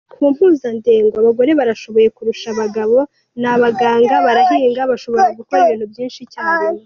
Ku mpuzandengo, abagore barashoboye kurusha abagabo, ni abaganga, barahinga, bashobora gukora ibintu byinshi icyarimwe.